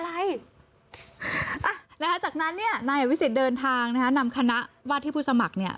แล้วจากนั้นนายอภิษฎิ์เดินทางนำคณะวาดที่ผู้สมัคร